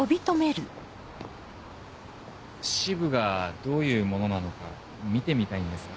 詩舞がどういうものなのか見てみたいんですが。